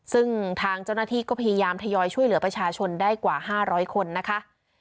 ซึ่งทางเจ้าหน้าที่ก็พยายามทยอยช่วยเหลือประชาชนได้กว่า๕๐๐คนนะคะ